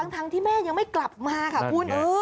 ทั้งที่แม่ยังไม่กลับมาค่ะคุณ